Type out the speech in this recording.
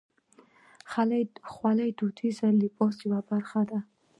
خولۍ د دودیز لباس یوه برخه ده.